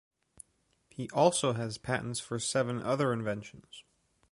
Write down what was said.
He also has patents for seven other inventions.